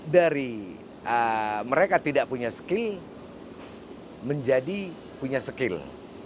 dari mereka tidak punya skill menjadi punya skill